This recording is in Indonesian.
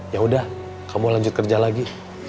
ya udah kamu lanjut kerja lagi